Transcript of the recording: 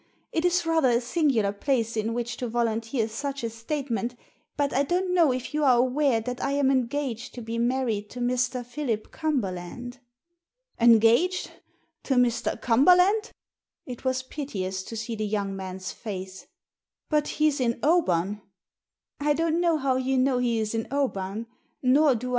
It is rather a singular place in which to volunteer such a statement, but I don't know if you are aware that I am engaged to be married to Mr. Philip Cumberland?" Digitized by VjOOQIC ISO THE SEEN AND THE UNSEEN "Engaged? To Mr. Cumberland?" It was piteous to see the young man's face. But he's in Oban." "I don't know how you know he is in Oban.